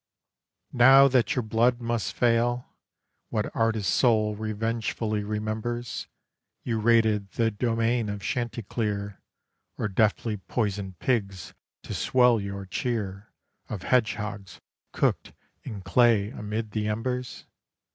Now that your blood must fail, What artist soul revengefully remembers You raided the domain of chanticleer, Or deftly poisoned pigs to swell your cheer Of hedgehogs cooked in clay amid the embers?